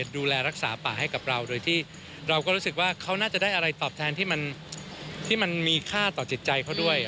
ดูแลรักษาป่าให้กับเราโดยที่เราก็รู้สึกว่าเขาน่าจะได้อะไรตอบแทนที่มันมีค่าต่อจิตใจเขาด้วย